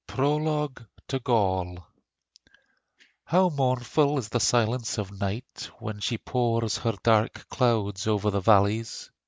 PROLOGUE TO GAUL How mournful is the silence of Night When she pours her dark clouds over the valleys!